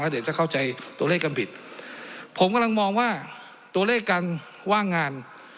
เดี๋ยวจะเข้าใจตัวเลขกันผิดผมกำลังมองว่าตัวเลขการว่างงาน